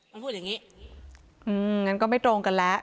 มันพูดอย่างนี้งั้นก็ไม่ตรงกันแล้ว